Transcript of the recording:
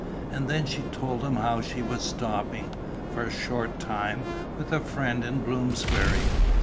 And then she told them how she was stopping, for a short time, with a friend in Bloomsbury.